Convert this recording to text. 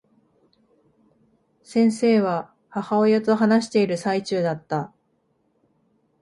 先生は、母親と話している最中だった。